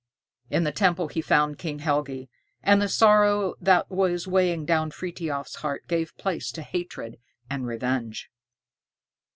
In the temple he found King Helgi, and the sorrow that was weighing down Frithiof's heart gave place to hatred and revenge.